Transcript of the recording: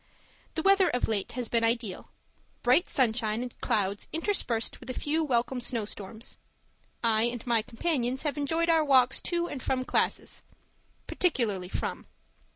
The weather of late has been ideal bright sunshine and clouds interspersed with a few welcome snow storms. I and my companions have enjoyed our walks to and from classes particularly from.